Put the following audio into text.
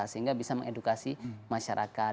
sehingga bisa mengedukasi masyarakat